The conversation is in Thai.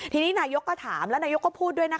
ทีนี้นายกก็ถามแล้วนายกก็พูดด้วยนะคะ